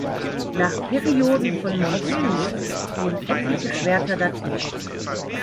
Nach Perioden von Montelius wurden etliche Schwerter datiert.